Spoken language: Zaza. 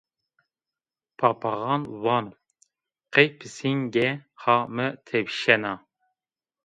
Papaxan vano qey pisînge ha mi tepîşena